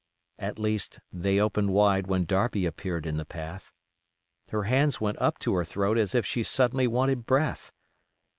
At least, they opened wide when Darby appeared in the path. Her hands went up to her throat as if she suddenly wanted breath.